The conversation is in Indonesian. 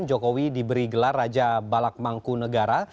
jokowi diberi gelar raja balakmangku negara